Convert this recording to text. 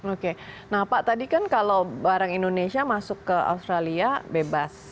oke nah pak tadi kan kalau barang indonesia masuk ke australia bebas